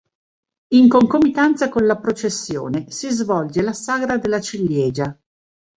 In concomitanza con la processione si svolge la "Sagra della ciliegia".